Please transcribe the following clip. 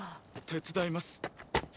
手伝います。